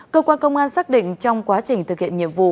cơ quan công an xác định trong quá trình thực hiện nhiệm vụ